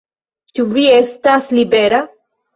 Ĉu vi estas libera?